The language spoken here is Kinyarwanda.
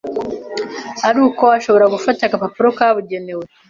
ari uko ushobora gufata agapapuro kabugenewe